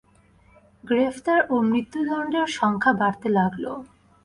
গ্রেফতার ও মৃত্যুদন্ডের সংখ্যা বাড়তে লাগল।